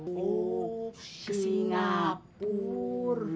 oh ke singapur